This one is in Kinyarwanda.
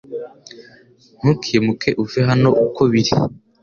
Ntukimuke uve hano uko biri